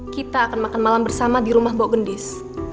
kita akan makan malam bersama di rumah bok gendis